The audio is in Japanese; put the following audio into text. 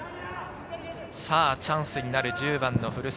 チャンスになる１０番・古澤。